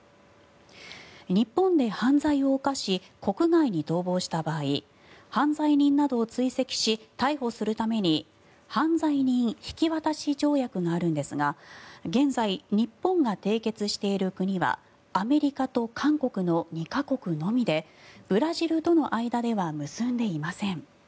日本で犯罪を犯し国外に逃亡した場合犯罪人などを追跡し逮捕するために犯罪人引渡し条約があるんですが現在、日本が締結している国はアメリカと韓国の２か国のみでブラジルとの間では結んでいません。